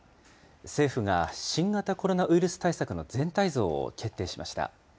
政府が新型コロナウイルス対策の全体像を決定しました。